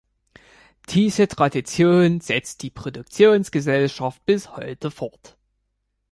Diese Tradition setzt die Produktionsgesellschaft bis heute fort.